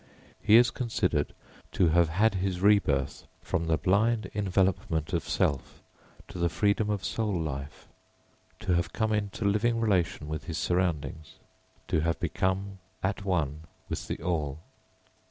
He is considered to have had his rebirth from the blind envelopment of self to the freedom of soul life; to have come into living relation with his surroundings; to have become at one with the All.